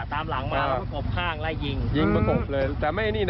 รถจำสีจำรุ่นคันที่หลาง